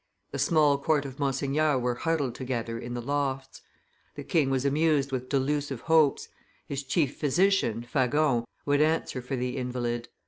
The small court of Monseigneur were huddled together in the lofts. The king was amused with delusive hopes; his chief physician, Fagon, would answer for the invalid.